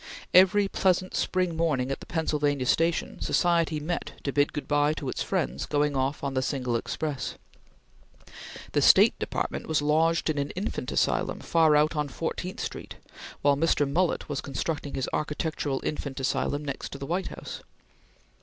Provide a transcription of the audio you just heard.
Every pleasant spring morning at the Pennsylvania Station, society met to bid good bye to its friends going off on the single express. The State Department was lodged in an infant asylum far out on Fourteenth Street while Mr. Mullett was constructing his architectural infant asylum next the White House.